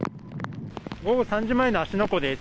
午後３時前の芦ノ湖です。